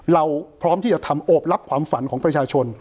เราพร้อมที่จะทำโอบรับความฝันของประชาชน